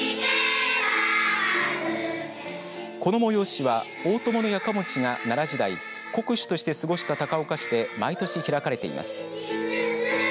この催しは大伴家持が奈良時代国主として過ごした高岡市で毎年開かれています。